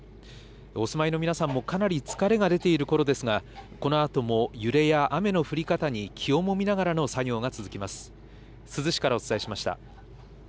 お住まいの皆さんもかなり疲れが出ているころですが、このあとも揺れや雨の降り方に、気をもみながらの作業が続きます。